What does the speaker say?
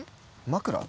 枕？